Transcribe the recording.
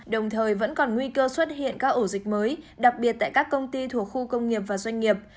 đồng thời vẫn còn nguy cơ xuất hiện các ổ dịch mới đặc biệt tại các công ty thuộc khu công nghiệp và doanh nghiệp